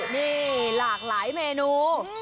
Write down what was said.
นี่หลากหลายเมนู